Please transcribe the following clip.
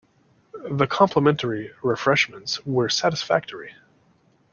The complimentary refreshments were satisfactory.